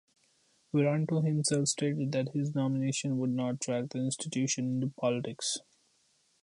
Wiranto himself stated that his nomination would not drag the institution into politics.